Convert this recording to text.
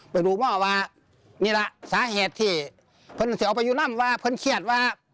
ไปดูมาว่านี่แหละสาเหตุที่เพิ่งจะเอาไปอยู่นั่งว่าเพิ่งเครียดว่า